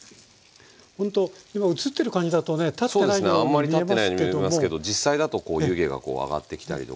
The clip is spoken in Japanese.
あんま立ってないように見えますけど実際だとこう湯気がこう上がってきたりとか。